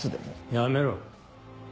やめろ。